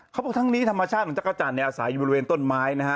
เขาบอกทั้งนี้ธรรมชาติของจักรจันทร์เนี่ยอาศัยอยู่บริเวณต้นไม้นะฮะ